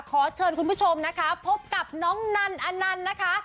ขอเชิญคุณผู้ชมนะคะพบกับน้องนันอนันต์นะคะ